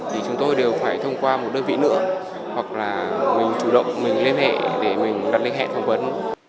thì chúng tôi đều phải thông qua một đơn vị nữa hoặc là mình chủ động mình liên hệ để mình đặt lên hệ thống vấn